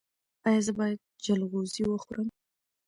ایا زه باید جلغوزي وخورم؟